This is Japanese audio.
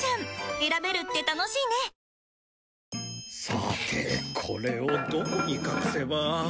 さてこれをどこに隠せば。